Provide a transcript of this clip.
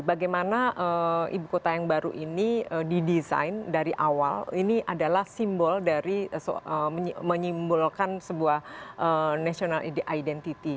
bagaimana ibu kota yang baru ini didesain dari awal ini adalah simbol dari menyimbolkan sebuah national identity